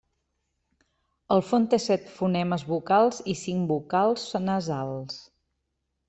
El fon té set fonemes vocals i cinc vocals nasals.